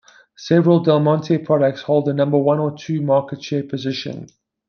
Several Del Monte products hold the number one or two market share position.